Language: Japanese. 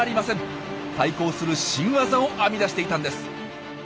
対抗する新ワザを編み出していたんです。